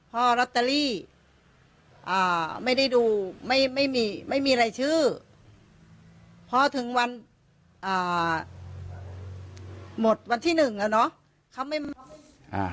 เพราะลอตเตอรี่ไม่ได้ดูไม่มีอะไรชื่อเพราะถึงวันหมดวันที่หนึ่งแล้วเนาะ